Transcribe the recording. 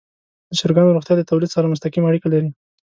د چرګانو روغتیا د تولید سره مستقیمه اړیکه لري.